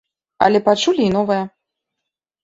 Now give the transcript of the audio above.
Але пачулі і новае.